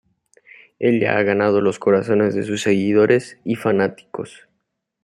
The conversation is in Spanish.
Ella ha ganado los corazones de sus seguidores y fanáticos.